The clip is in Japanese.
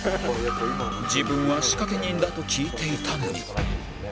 自分は仕掛け人だと聞いていたのに